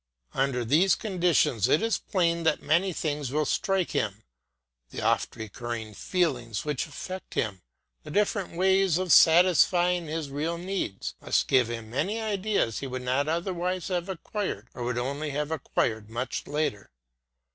Under these conditions it is plain that many things will strike him; the oft recurring feelings which affect him, the different ways of satisfying his real needs, must give him many ideas he would not otherwise have acquired or would only have acquired much later.